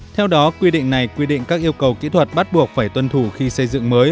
theo đó quy định này quy định các yêu cầu kỹ thuật bắt buộc phải tuân thủ khi xây dựng mới